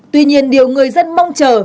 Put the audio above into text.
tuy nhiên điều người dân mong chờ